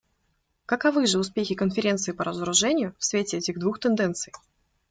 Каковы же успехи Конференции по разоружению в свете этих двух тенденций?